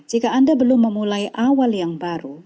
jika anda belum memulai awal yang baru